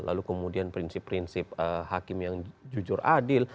lalu kemudian prinsip prinsip hakim yang jujur adil